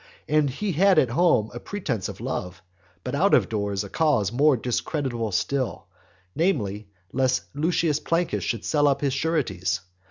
And he had at home a pretence of love; but out of doors a cause more discreditable still, namely, lest Lucius Plancus should sell up his sureties.